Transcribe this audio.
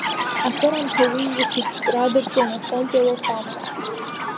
Акыраамҭа уи ихәыштәра даҿын Афонтәи ауахәамаҿы.